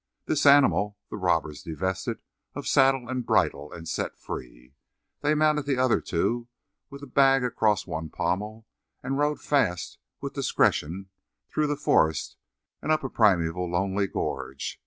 This animal the robbers divested of saddle and bridle and set free. They mounted the other two with the bag across one pommel, and rode fast and with discretion through the forest and up a primeval, lonely gorge.